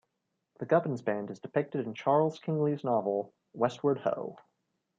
The Gubbins band is depicted in Charles Kingsley's novel "Westward Ho!".